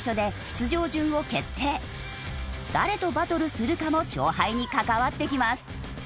誰とバトルするかも勝敗に関わってきます。